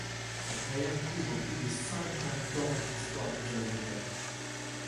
Sa carrière couvre plus de cinquante ans d'histoire du jazz vocal.